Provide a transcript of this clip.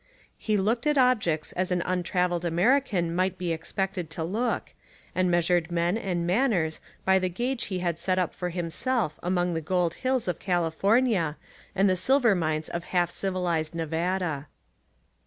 He looked at objects as an untravelled American might be expected to look, and measured men and manners by the gauge he had set up for himself among the gold hills of California and the silver mines of half civilised Nevada."